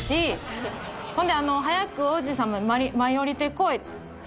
ほんであの「早く王子様舞い降りてこい」。